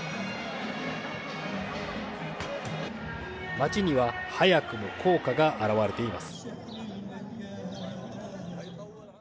街には、早くも効果が表れています。